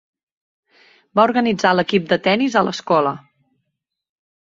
Va organitzar l'equip de tennis de l'escola.